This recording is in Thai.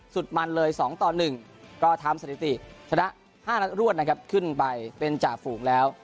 สุดมันเลย๒ต่อ๑ก็ทำสถิติชนะ๕นัดรวดนะครับขึ้นไปเป็นจ่าฝูงแล้ว